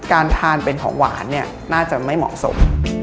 การทานเป็นของหวานเนี่ยน่าจะไม่เหมาะสม